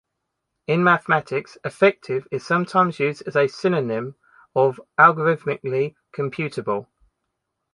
In mathematics, "effective" is sometimes used as a synonym of "algorithmically computable".